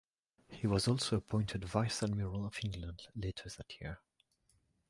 He was also appointed Vice-Admiral of England later that year.